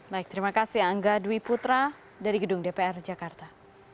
baik terima kasih angga dwi putra dari gedung dpr jakarta